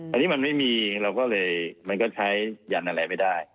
อันนี้มันไม่มีเราก็เลยใช้อย่างอะไรไม่ได้